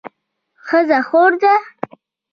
ښځه خور ده